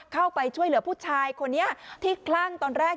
เข้าไปช่วยเหลือผู้ชายคนนี้ที่คลั่งตอนแรก